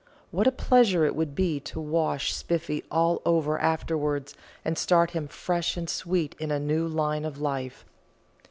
What a pleasure it would be to wash Spiffy all over afterwards, and start him fresh and sweet in a new line of life!"